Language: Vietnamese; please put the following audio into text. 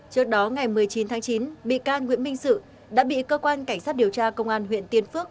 trước đó ngày một mươi chín tháng chín bị can nguyễn minh sự đã bị cơ quan cảnh sát điều tra công an huyện tiên phước